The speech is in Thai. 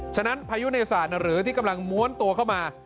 ฉะนั้นพายุในศาสตร์หรือที่กำลังม้วนตัวเข้ามา